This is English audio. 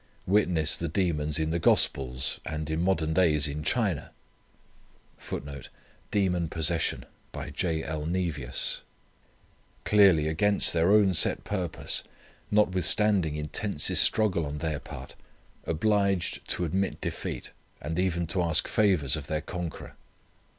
Witness the demons in the gospels, and in modern days in China, clearly against their own set purpose, notwithstanding intensest struggle on their part obliged to admit defeat, and even to ask favours of their Conqueror.